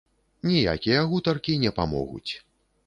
Ніякія гутаркі не памогуць.